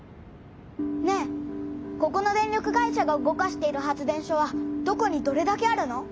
ねえここの電力会社が動かしている発電所はどこにどれだけあるの？